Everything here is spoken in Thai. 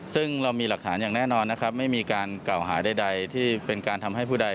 ซึ่งเรามีหลักฐานอย่างแน่นอนนะครับไม่มีการกล่าวหาใดที่เป็นการทำให้ผู้ใด